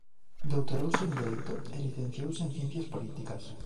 Doutorouse en Dereito e licenciouse en Ciencias Políticas.